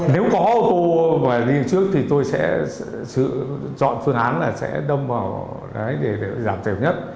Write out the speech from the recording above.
nếu có ô tô và gì trước thì tôi sẽ chọn phương án là sẽ đâm vào để giảm tiền nhất